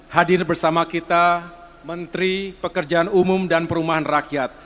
hadir bersama kita menteri pekerjaan umum dan perumahan rakyat